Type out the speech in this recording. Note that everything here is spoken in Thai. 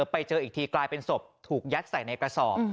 ไปเจออีกทีกลายเป็นศพถูกยัดใส่ในกระสอบ